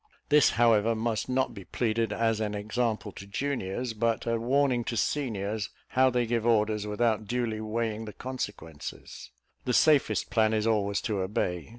This, however, must not be pleaded as an example to juniors, but a warning to seniors how they give orders without duly weighing the consequences: the safest plan is always to obey.